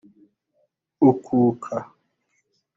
ukuka